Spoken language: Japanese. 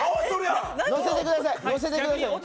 乗せてください。